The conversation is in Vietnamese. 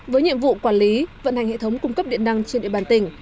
với nhiệm vụ quản lý vận hành hệ thống cung cấp điện năng trên địa bàn tỉnh